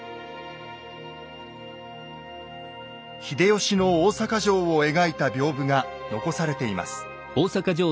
秀吉の大坂城を描いた屏風が残されています。